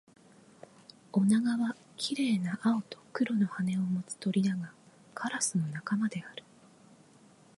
オナガは綺麗な青と黒の羽を持つ鳥だが、カラスの仲間である